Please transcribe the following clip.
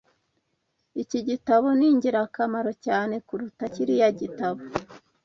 Iki gitabo ni ingirakamaro cyane kuruta kiriya gitabo